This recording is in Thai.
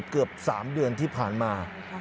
เกือบ๓เดือนที่ผ่านมา